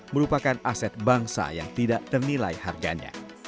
merupakan aset bangsa yang tidak ternilai harganya